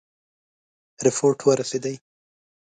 رپوټ ورسېدی.